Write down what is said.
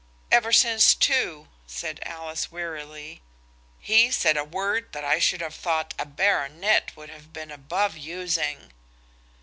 "Ever since two," said Alice wearily. He said a word that I should have thought a baronet would have been above using.